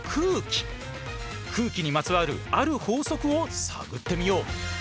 空気にまつわるある法則を探ってみよう。